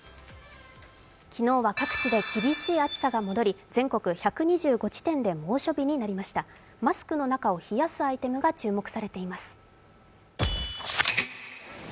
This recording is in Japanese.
昨日は、各地で厳しい暑さが戻り全国１２５地点で猛暑日になりましたマスクの中を冷やすアイテムが注目されています。